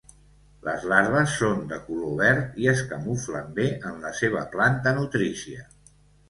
Les larves són de color verd i es camuflen bé en la seva planta nutrícia.